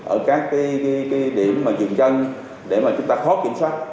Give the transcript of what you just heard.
ở các cái điểm mà dựng chân để mà chúng ta khóc kiểm soát